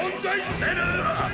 せぬ！